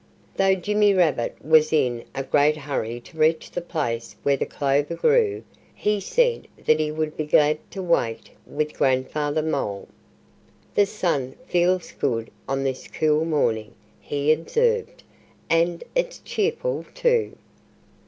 Though Jimmy Rabbit was in a great hurry to reach the place where the clover grew he said that he would be glad to wait with Grandfather Mole. "The sun feels good on this cool morning," he observed. "And it's cheerful, too."